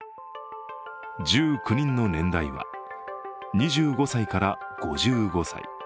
１９人の年代は２５歳から５５歳。